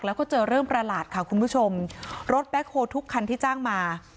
แล้วก็เจอเรื่องประหลาดค่ะคุณผู้ชมรถแบ็คโฮทุกคันที่จ้างมา